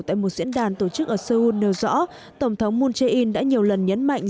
tại một diễn đàn tổ chức ở seoul nêu rõ tổng thống moon jae in đã nhiều lần nhấn mạnh